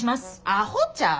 アホちゃう？